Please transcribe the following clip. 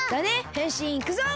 へんしんいくぞ！